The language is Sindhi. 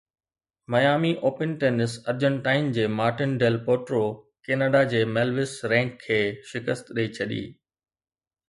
ميامي اوپن ٽينس ارجنٽائن جي مارٽن ڊيل پوٽرو ڪينيڊا جي ميلوس رينڪ کي شڪست ڏئي ڇڏي